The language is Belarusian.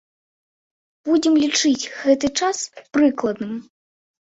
Будзем лічыць гэты час прыкладным.